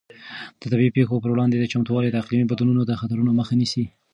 د طبیعي پېښو پر وړاندې چمتووالی د اقلیمي بدلون د خطرونو مخه نیسي.